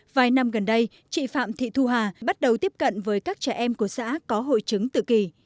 vài năm gần đây chị phạm thị thu hà bắt đầu tiếp cận với các trẻ em của xã có hội chứng tự kỷ